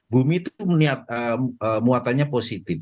bumi itu muatannya positif